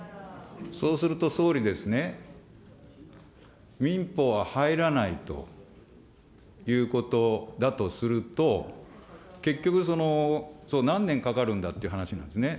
そうすると、総理ですね、民法は入らないということだとすると、結局、その何年かかるんだっていう話なんですね。